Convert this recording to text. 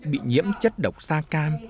bị nhiễm chất độc sa cam